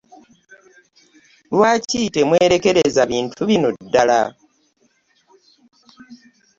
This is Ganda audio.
Lwaki temwerekereza bintu bino ddala?